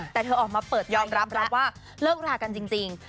แต่เธอออกมาเปิดยอมรับรับว่าเลิกรากันจริง